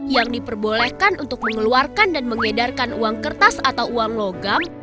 yang diperbolehkan untuk mengeluarkan dan mengedarkan uang kertas atau uang logam